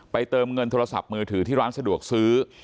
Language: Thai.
เติมเงินโทรศัพท์มือถือที่ร้านสะดวกซื้อ